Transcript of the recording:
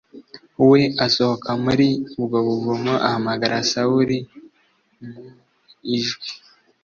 we asohoka muri ubwo buvumo ahamagara Sawuli mu ijwi